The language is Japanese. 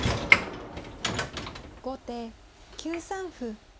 後手９三歩。